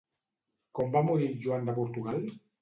Com va morir Joan de Portugal?